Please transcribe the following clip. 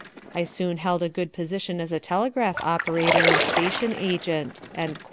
I soon held a good position as a telegraph operator and station agent."